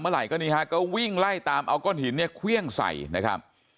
ไหรก็นี่ฮะก็วิ่งไล่ตามเอาก้อนหินเนี่ยเครื่องใส่นะครับ